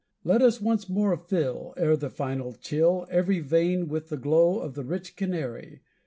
Let us once more fill, ere the final chill, Every vein with the glow of the rich canary!